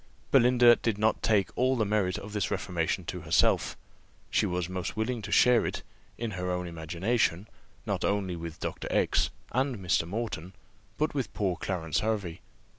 Belinda did not take all the merit of this reformation to herself: she was most willing to share it, in her own imagination, not only with Dr. X and Mr. Moreton, but with poor Clarence Hervey.